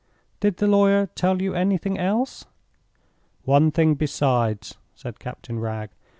"Did the lawyer tell you anything else?" "One thing besides," said Captain Wragge.